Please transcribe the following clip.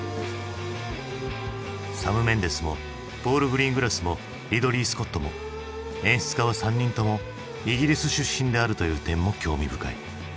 サム・メンデスもポール・グリーングラスもリドリー・スコットも演出家は３人ともイギリス出身であるという点も興味深い。